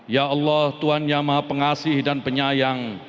ya allah tuhan yang maha pengasih dan penyayang